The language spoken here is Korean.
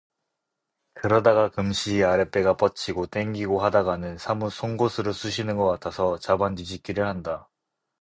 그러다가 금시 아랫배가 뻗치고 땡기고하다가는 사뭇 송곳으로 쑤시는 것 같아서 자반 뒤집기를 한다.